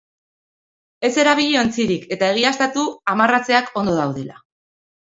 Ez erabili ontzirik, eta egiaztatu amarratzeak ondo daudela.